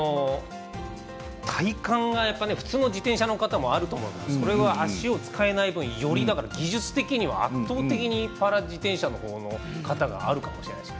体幹が普通の自転車の方もあると思いますけれども足が使えない分より技術的には圧倒的にパラ自転車の方のほうがあるかもしれないです。